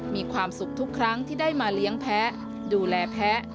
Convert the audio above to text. มีความสุขทุกครั้งที่ได้มาเลี้ยงแพ้ดูแลแพ้